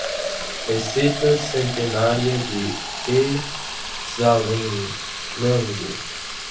Receta centenaria de Quetzaltenango.